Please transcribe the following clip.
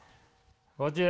こちら。